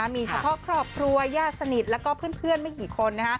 มีเฉพาะครอบครัวญาติสนิทแล้วก็เพื่อนไม่กี่คน